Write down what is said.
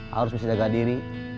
harus bisa jaga diri